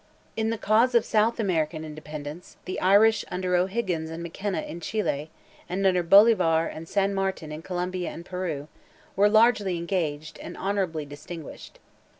In the cause of South American independence, the Irish under O'Higgins and McKenna in Chili, and under Bolivar and San Martin in Colombia and Peru, were largely engaged, and honourably distinguished.